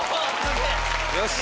よし！